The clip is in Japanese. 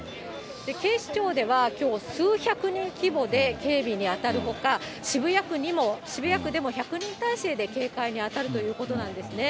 警視庁ではきょう、数百人規模で警備に当たるほか、渋谷区でも１００人態勢で警戒に当たるということなんですね。